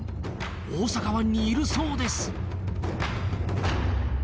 大阪湾にいるそうです。